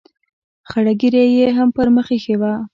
خړه ږیره یې هم پر مخ اېښې وه.